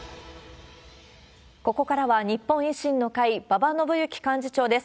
ここからは、日本維新の会、馬場伸幸幹事長です。